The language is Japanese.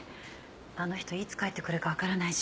あの人いつ帰ってくるかわからないし。